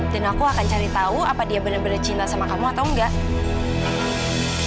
dan aku akan cari tahu apa dia benar benar cinta sama kamu atau enggak